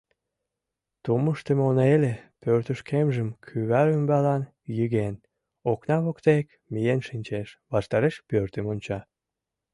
Тумыштымо неле портышкемжым кӱвар ӱмбалан йыген, окна воктек миен шинчеш, ваштареш пӧртым онча.